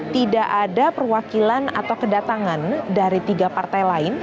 tidak ada perwakilan atau kedatangan dari tiga partai lain